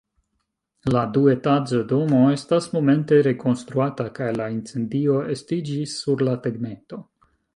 La duetaĝa domo estas momente rekonstruata, kaj la incendio estiĝis sur la tegmento.